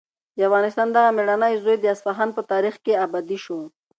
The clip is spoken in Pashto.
د افغانستان دغه مېړنی زوی د اصفهان په تاریخ کې ابدي شو.